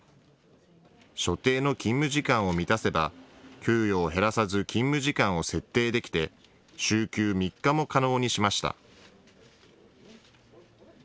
所定の勤務時間を満たせば給与を減らさず勤務時間を設定できて週休３日も可能にしました。